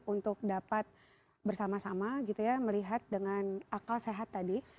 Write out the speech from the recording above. untuk dapat bersama sama melihat dengan akal sehat tadi